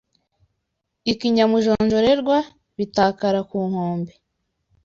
ikinyamujonjorerwa bitakara ku nkombe